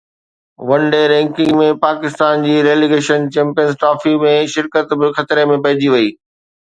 One day ranking ۾ Pakistan جي relegation Champions Trophy ۾ شرڪت به خطري ۾ پئجي وئي.